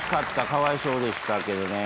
かわいそうでしたけどね。